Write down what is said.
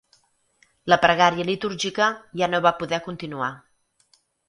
La pregària litúrgica ja no va poder continuar.